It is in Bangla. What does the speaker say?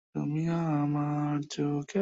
কিন্তু মানুষের দুর্দশা আমার মতো হতো না।